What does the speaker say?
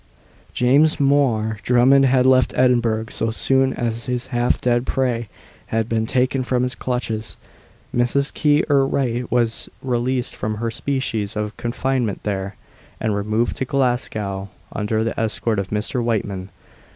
James Mhor Drummond had left Edinburgh so soon as his half dead prey had been taken from his clutches. Mrs. Key, or Wright, was released from her species of confinement there, and removed to Glasgow, under the escort of Mr. Wightman.